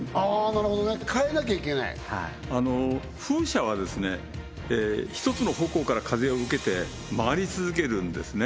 なるほどねかえなきゃいけない風車は１つの方向から風を受けて回り続けるんですね